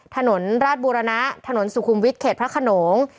ถนนราชบูรณะถนนสุขุมวิทย์เขตพระขนง